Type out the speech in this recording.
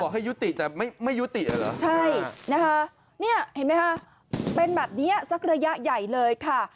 ให้ยุติแต่ไม่ยุติเลยเหรอใช่นะคะเนี่ยเห็นไหมคะเป็นแบบนี้สักระยะใหญ่เลยค่ะ